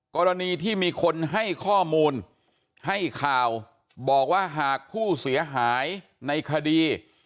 กรณีที่มีคนให้ข้อมูลให้ข่าวบอกว่าหากผู้เสียหายในคดี